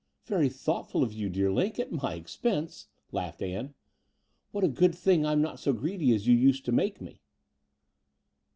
"Very thoughtful of you, dear Line — at my expense!" laughed Ann. What a good thing I'm not so greedy as you used to make me!"